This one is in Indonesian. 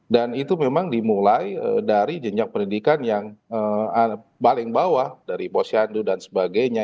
dan itu memang dimulai dari jenjang pendidikan yang baling bawah dari boshandu dan sebagainya